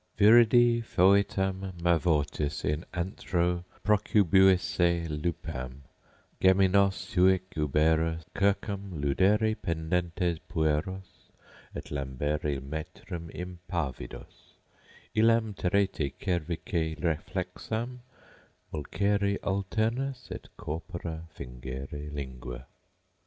… viridi fœtam Mavortis in antro Procubuisse lupam: geminos huic ubera circum Ludere pendentes pueros, et lambere matrem Impavidos: illam tereti cervice reflexam Mulcere alternos, et corpora fingere lingua.